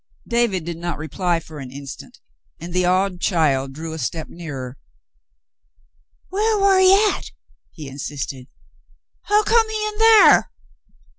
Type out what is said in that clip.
David did not reply for an instant, and the awed child drew a step nearer. "Whar war he at ?" he insisted. " Hu come he in thar ?